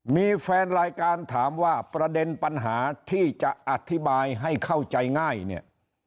มีแฟนรายการถามว่าประเด็นปัญหาที่จะอธิบายให้เข้าใจง่ายเนี่ย